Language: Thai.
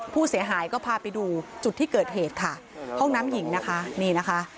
ผู้เสียหายก็พาไปดูจุดที่เกิดเหตุค่ะห้องน้ำหญิงนะคะนี่นะคะ